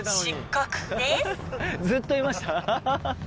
ずっといましたハハハ！